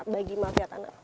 bagi mafia tanah